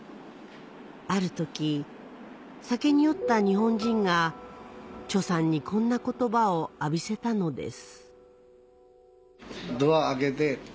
ある時酒に酔った日本人がチョさんにこんな言葉を浴びせたのです